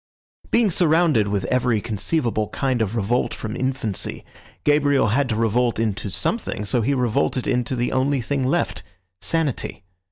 Being surrounded with every conceivable kind of revolt from infancy, Gabriel had to revolt into something, so he revolted into the only thing left—sanity.